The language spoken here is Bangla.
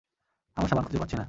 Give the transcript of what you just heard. আমার সাবান খুঁজে পাচ্ছি না।